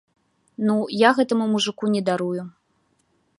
Ну, я гэтаму мужыку не дарую!